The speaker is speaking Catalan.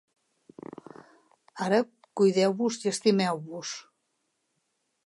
Ara, cuideu-vos i estimeu-vos.